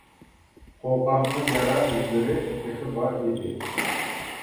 قوقاقنىڭ يارا ئىزلىرى تېخى بار ئىدى.